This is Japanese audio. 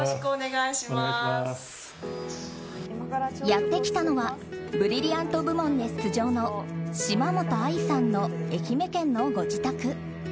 やってきたのはブリリアント部門で出場の島本亜依さんの愛媛県のご自宅。